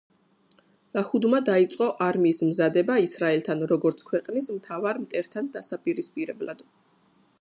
ლაჰუდმა დაიწყო არმიის მზადება ისრაელთან, როგორც ქვეყნის „მთავარ მტერთან“ დასაპირისპირებლად.